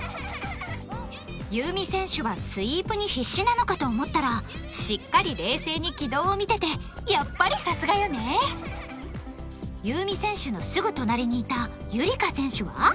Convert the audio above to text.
夕湖選手は、スイープに必死なのかと思ったらしっかり冷静に軌道を見ててやっぱりさすがよね夕湖選手のすぐ隣にいた夕梨花選手は？